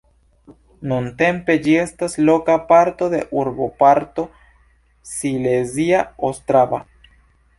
Nuntempe ĝi estas loka parto de urboparto Silezia Ostrava.